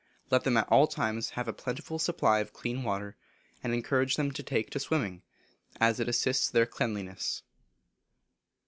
Let them at all times have a plentiful supply of clean water, and encourage them to take to swimming, as it assists their cleanliness.